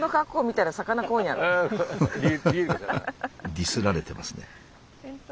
ディスられてますね。